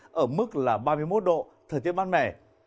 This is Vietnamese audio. nhiệt độ cao nhất trong ba ngày tới ở mức là ba mươi một độ thời tiết ban mẻ